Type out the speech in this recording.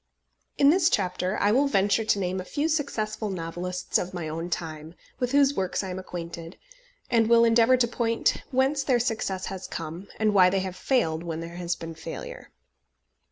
In this chapter I will venture to name a few successful novelists of my own time, with whose works I am acquainted; and will endeavour to point whence their success has come, and why they have failed when there has been failure.